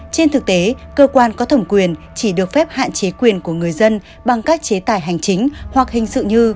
trên thực tế cơ quan có thẩm quyền chỉ được phép hạn chế quyền của người dân bằng các chế tài hành chính hoặc hình sự như